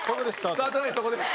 スタートラインそこです。